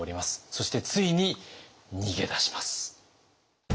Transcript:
そしてついに逃げ出します。